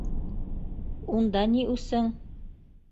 Унда ни үсең?